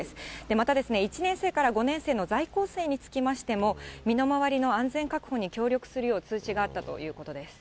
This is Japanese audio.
また、１年生から５年生の在校生につきましても、身の回りの安全確保に協力するよう通知があったということです。